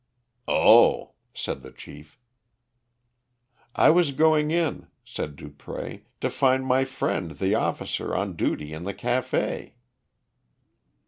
"Oh," said the Chief. "I was going in," said Dupré, "to find my friend, the officer, on duty in the café."